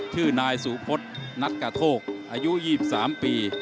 ชื่อนายสุพธนัดกระโทกอายุ๒๓ปี